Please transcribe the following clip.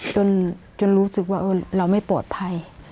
จนรู้สึกว่าเราไม่ปลอดภัย